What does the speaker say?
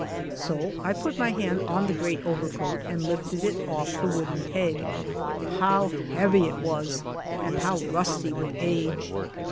So I ])ut my hand on the great overcoat, and lifted it oft' the wooden peg. How heavy it was, and how rusty with age